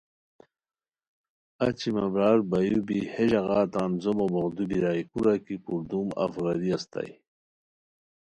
اچی مہ برار بایو بی ہے ژاغا تان زومو بوغدو بیرائے کورا کی پردوم اف غیری استائے